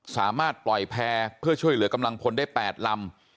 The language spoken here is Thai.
สามารถปล่อยแพร่เพื่อช่วยเหลือกำลังพลได้๘ลำ